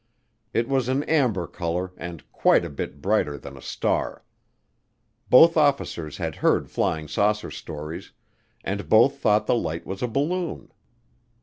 It was an amber color and "quite a bit brighter than a star." Both officers had heard flying saucer stories, and both thought the light was a balloon.